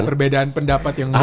perbedaan pendapat yang ngeluh